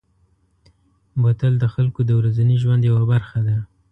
بوتل د خلکو د ورځني ژوند یوه برخه ده.